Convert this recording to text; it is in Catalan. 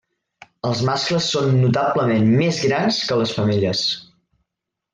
Els mascles són notablement més grans que les femelles.